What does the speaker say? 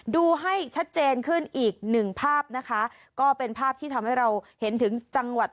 ดูให้ชัดเจนขึ้นอีกหนึ่งภาพนะคะก็เป็นภาพที่ทำให้เราเห็นถึงจังหวัด